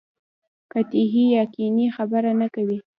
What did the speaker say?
قطعي یقیني خبره نه کوي.